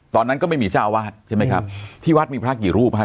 ตอนนั้นก็ไม่มีเจ้าอาวาสใช่ไหมครับที่วัดมีพระกี่รูปครับ